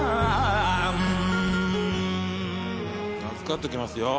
預かっときますよ。